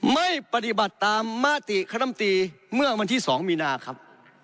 ไม่ปฏิบัติตามมาติคณะมตีเมื่อวันที่๒มีนาครับ